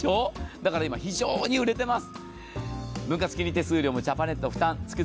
だから今、非常に売れています。